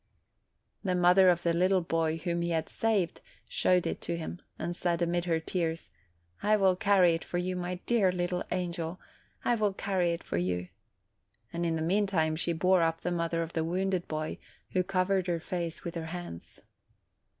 The mother of the little boy whom he had saved showed it to him and said, amid her tears, "I will carry it for you, my dear little angel ; I will carry it for you." And in the meantime, she bore up the mother of the wounded boy, who covered her face with her hands.